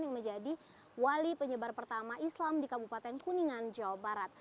yang menjadi wali penyebar pertama islam di kabupaten kuningan jawa barat